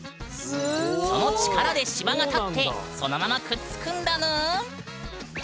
その力で芝が立ってそのままくっつくんだぬーん！